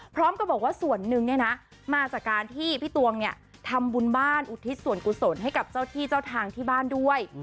พร้อมกับบอกว่าส่วนหนึ่งเนี่ยนะมาจากการที่พี่ตวงเนี่ยทำบุญบ้านอุทิศส่วนกุศลให้กับเจ้าที่เจ้าทางที่บ้านด้วย